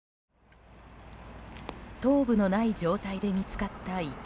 頭部のない状態で見つかった遺体。